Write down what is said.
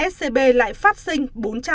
scb lại phát sinh